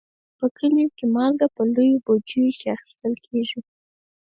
په کلیو کې مالګه په لویو بوجیو کې اخیستل کېږي.